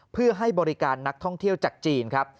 เพื่อให้บริการนักท่องเที่ยวจากจีนครับ